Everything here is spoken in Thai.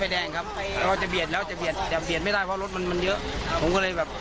ส่งเลขความต่ำเต็มมากเกิด